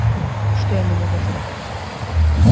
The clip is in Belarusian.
І што яны могуць зрабіць?